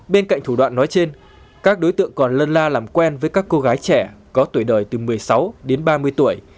bên cạnh thủ đoạn nói trên các đối tượng còn lân la làm quen với các cô gái trẻ có tuổi đời từ một mươi sáu đến ba mươi tuổi